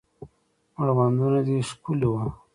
مړوندونه دې ښکلي وه